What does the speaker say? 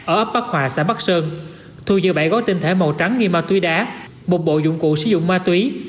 ở ấp bắc hòa xã bắc sơn thu giữ bảy gói tinh thể màu trắng nghi ma túy đá một bộ dụng cụ sử dụng ma túy